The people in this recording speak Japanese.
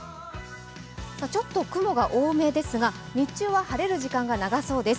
ちょっと雲が多めですが日中は晴れる時間が長そうです。